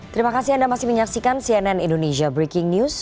terima kasih anda masih menyaksikan cnn indonesia breaking news